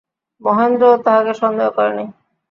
মহেন্দ্রও তাহাকে সন্দেহ করে নাই।